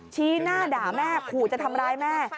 ชี้หน้าด่าแม่ขู่จะทำร้ายแม่